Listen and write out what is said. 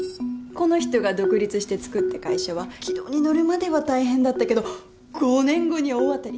この人が独立してつくった会社は軌道に乗るまでは大変だったけど５年後には大当たり。